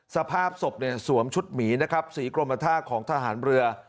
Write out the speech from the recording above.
สภาพศพสวมชุดหมีนะครับสีกรมท่าของทหารเรือ